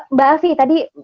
mbak alvi tadi